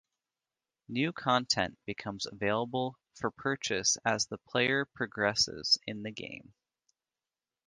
New content becomes available for purchase as the player progresses in the game.